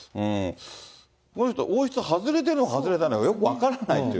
この人、王室外れてるのか、外れてないのか、よく分からないっていう。